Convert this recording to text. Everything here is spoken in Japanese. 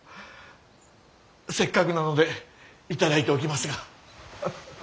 せっかくなので頂いておきますが。